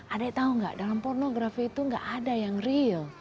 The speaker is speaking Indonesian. adek tau gak dalam pornografi itu gak ada yang real